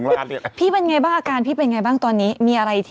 แล้วก็ตามหานะพี่หนุ่มเจอที่ไหน